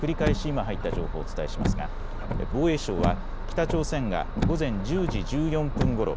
今入った情報をお伝えしますが防衛省は北朝鮮が午前１０時１４分ごろ